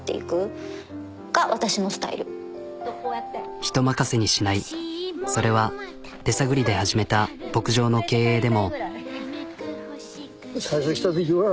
人任せにしないそれは手探りで始めた牧場の経営でも。